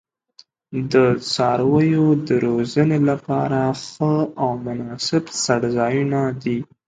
د څارویو د روزنې لپاره ښه او مناسب څړځایونه دي.